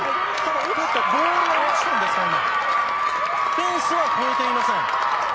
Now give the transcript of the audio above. フェンスは越えていません。